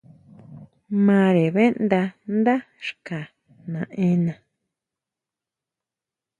Mare ʼbeʼnda dá xka naʼena.